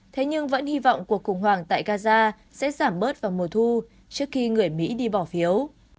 thế nhưng vẫn hy vọng cuộc khủng hoảng tại gaza sẽ giảm bớt vào mùa thu trước khi người mỹ đi bỏ phiếu